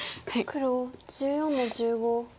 黒１４の十五。